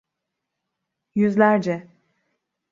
Yüzlerce.